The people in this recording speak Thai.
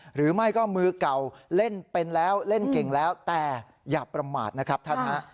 หรือไม่ก็มือเก่าเล่นเป็นแล้วเล่นเก่งแล้วแต่อย่าประมาทนะครับท่านฮะ